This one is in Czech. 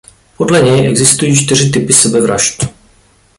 Podle něj existují čtyři typy sebevražd.